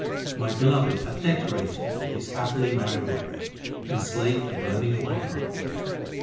My Beloved hath decorated me His happy married wife, And slaked the burning of my heart.